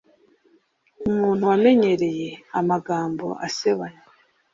Umuntu wamenyereye amagambo asebanya,